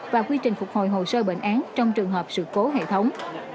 và quy trình phục hồi hồ sơ bệnh án trong trường hợp sự cố hệ thống